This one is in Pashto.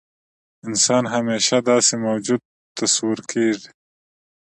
انسان همیشه داسې موجود تصور کېږي.